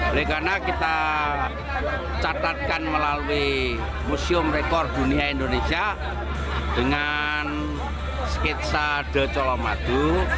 oleh karena kita catatkan melalui museum rekor dunia indonesia dengan sketsa the colomadu